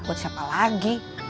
buat siapa lagi